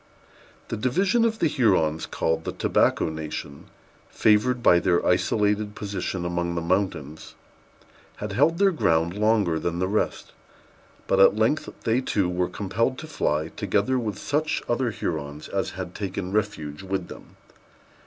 The division of the Hurons called the Tobacco Nation, favored by their isolated position among mountains, had held their ground longer than the rest; but at length they, too, were compelled to fly, together with such other Hurons as had taken refuge with them.